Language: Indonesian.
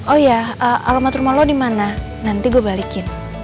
oh ya alamat rumah lo dimana nanti gue balikin